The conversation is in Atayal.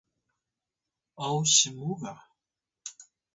aw simuw ga